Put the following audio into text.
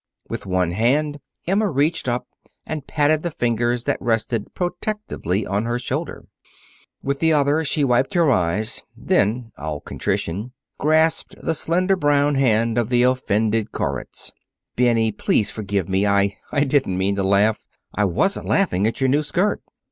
With one hand, Emma reached up and patted the fingers that rested protectingly on her shoulder. With the other, she wiped her eyes, then, all contrition, grasped the slender brown hand of the offended Koritz. "Bennie, please forgive me! I I didn't mean to laugh. I wasn't laughing at your new skirt."